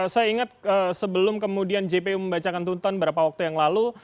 saya ingat sebelum kemudian jpu membacakan tuntutan beberapa waktu yang lalu